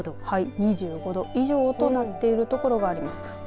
東京が２５度２５度以上となっている所があります。